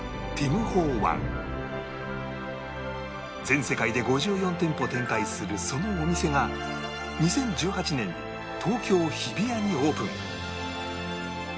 全世界で５４店舗展開するそのお店が２０１８年に東京日比谷にオープン